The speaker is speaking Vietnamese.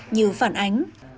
như phản ánh